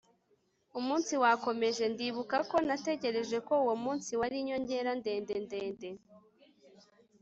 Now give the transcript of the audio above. umunsi wakomeje, ndibuka ko natekereje ko uwo munsi wari inyongera, ndende ndende